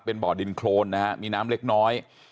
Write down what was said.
เป็นบ่อดินโครนนะฮะมีน้ำเล็กน้อย